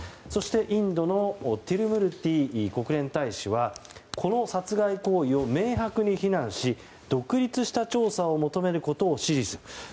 そして、インドのティルムルティ国連大使はこの殺害行為を明白に非難し独立した調査を求めることを指示する。